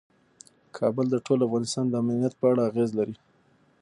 کابل د ټول افغانستان د امنیت په اړه اغېز لري.